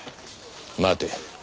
待て。